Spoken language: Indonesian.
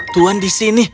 tuan di sini